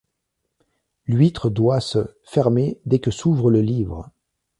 L'huître doit se, fermer dès que s'ouvre le livre